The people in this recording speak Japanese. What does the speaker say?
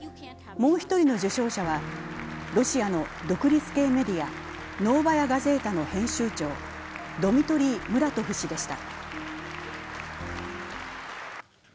もう１人の受賞者はロシアの独立系メディア、「ノーバヤ・ガゼータ」の編集長、ドミトリー・ムラトフ氏でした。